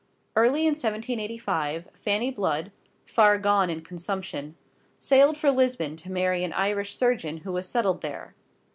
Early in 1785 Fanny Blood, far gone in consumption, sailed for Lisbon to marry an Irish surgeon who was settled there.